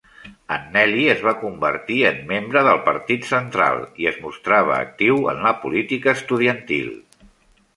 Anneli es va convertir en membre del Partit Central i es mostrava actiu en la política estudiantil.